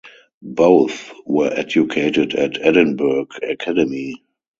Both were educated at Edinburgh Academy.